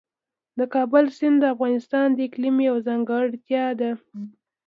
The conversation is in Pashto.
د کابل سیند د افغانستان د اقلیم یوه ځانګړتیا ده.